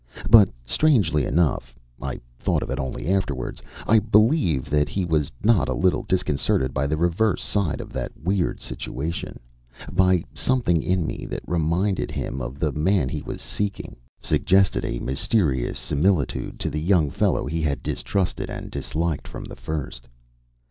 But, strangely enough (I thought of it only afterwards) I believe that he was not a little disconcerted by the reverse side of that weird situation, by something in me that reminded him of the man he was seeking suggested a mysterious similitude to the young fellow he had distrusted and disliked from the first.